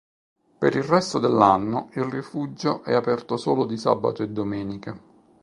Per il resto dell'anno il rifugio è aperto solo di sabato e domenica.